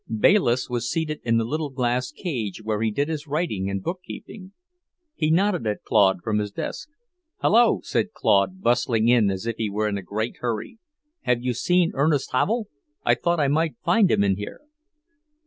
Bayliss was seated in the little glass cage where he did his writing and bookkeeping. He nodded at Claude from his desk. "Hello," said Claude, bustling in as if he were in a great hurry. "Have you seen Ernest Havel? I thought I might find him in here."